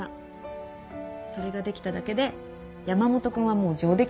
それができただけで山本君はもう上出来だよ